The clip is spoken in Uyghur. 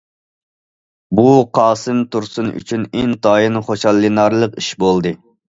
بۇ قاسىم تۇرسۇن ئۈچۈن ئىنتايىن خۇشاللىنارلىق ئىش بولدى.